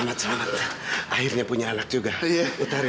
mas apa tidak cukup